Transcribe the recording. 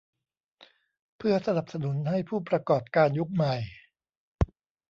เพื่อสนับสนุนให้ผู้ประกอบการยุคใหม่